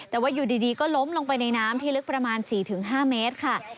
แต่ว่าอยู่ดีก็ล้มลงไปในน้ำที่ลึกประมาณ๔๕เมตรค่ะ